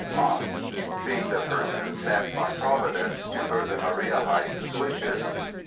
Franck seemed a person sent by Providence to further Maria Haydn's wishes.